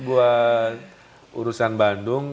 buat urusan bandung